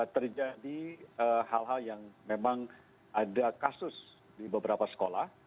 terjadi hal hal yang memang ada kasus di beberapa sekolah